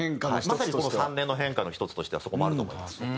まさにこの３年の変化の１つとしてはそこもあると思いますね。